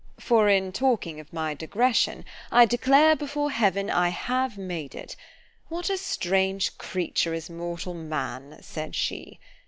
For in talking of my digression——I declare before heaven I have made it! What a strange creature is mortal man! said she.